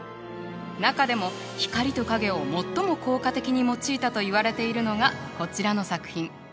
中でも光と影を最も効果的に用いたといわれているのがこちらの作品。